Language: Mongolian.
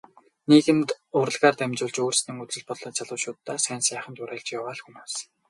Нийгэмд урлагаар дамжуулж өөрсдийн үзэл бодлоороо залуучуудаа сайн сайханд уриалж яваа л хүмүүс.